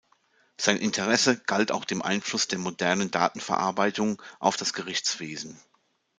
Sein Interesse galt auch dem Einfluss der modernen Datenverarbeitung auf das Gerichtswesen.